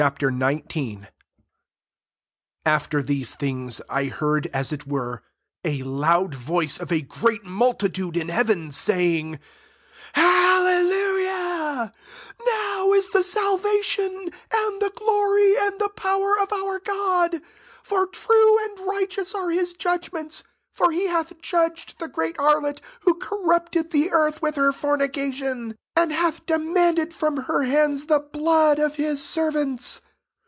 XIX* 1 After these things, I heard, as it were, a loud voice of a great multitude in heaven, saying, '< Hallelujah: now U the salvation, and the glory, and the power of our God : 9, for true and righteous are his judgments : for he hath judged the great harlot, who corrupted the earth with her fornication ; and hath demanded from her hands the blood of his servants."